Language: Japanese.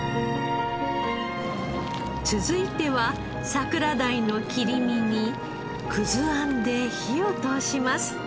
続いては桜鯛の切り身にあんで火を通します。